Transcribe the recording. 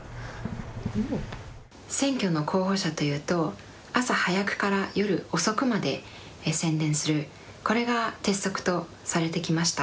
選挙の候補者というと朝早くから夜遅くまで宣伝する、これが鉄則とされてきました。